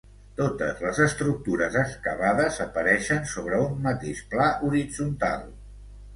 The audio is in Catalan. Totes les estructures excavades apareixen sobre un mateix pla horitzontal.